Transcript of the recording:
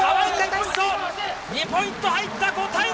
２ポイント入った５対０。